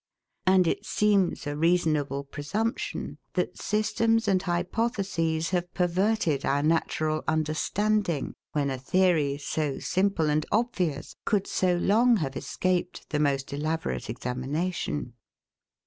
And it seems a reasonable presumption, that systems and hypotheses have perverted our natural understanding, when a theory, so simple and obvious, could so long have escaped the most elaborate examination.